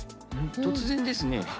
突然ですね。